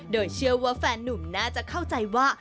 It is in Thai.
โดยเชื่อว่าแฟนนุ่มน่าจะเข้าใจว่า